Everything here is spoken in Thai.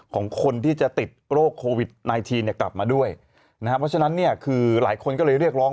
ของคนที่จะติดโรคโควิด๑๙เนี่ยกลับมาด้วยนะครับเพราะฉะนั้นเนี่ยคือหลายคนก็เลยเรียกร้อง